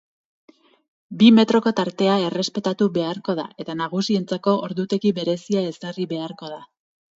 Bi metroko tartea errespetatu beharko da eta nagusientzako ordutegi berezia ezarri beharko da.